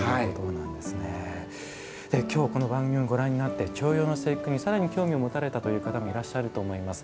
今日この番組をご覧になって重陽の節句にさらに興味をもたれた方もいらっしゃると思います。